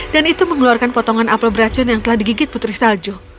dan itu mengeluarkan potongan apel beracun yang telah digigit putri salju